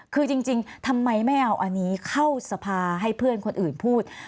คือจริงทำไมไม่เอาอันนี้เข้าสภาให้เพื่อนคนอื่นพูด